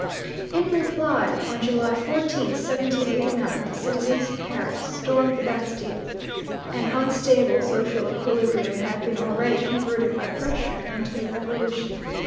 In reply, on July 14, 1789, the citizens of Paris stormed the Bastille. An unstable social equilibrium had been already converted by pressure into a revolution.